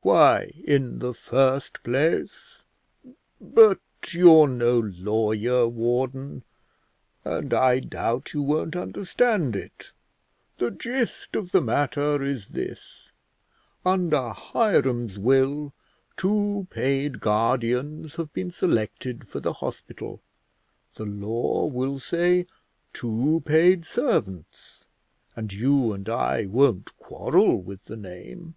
"Why, in the first place: but you're no lawyer, warden, and I doubt you won't understand it; the gist of the matter is this: under Hiram's will two paid guardians have been selected for the hospital; the law will say two paid servants, and you and I won't quarrel with the name."